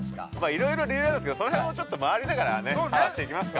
◆いろいろ理由あるんですけどそれもちょっと回りながらね、話していきますか。